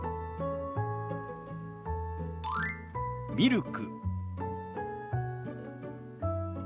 「ミルク」。